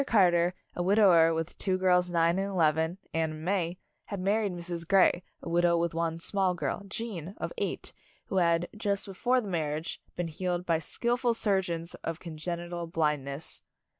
Car ter, a widower with two girls nine and eleven, Anne and May, had married Mrs. Grey, a widow with one small girl, Gene, of eight, who had, just before the mar riage, been healed by skillful surgeons of congenital blindness.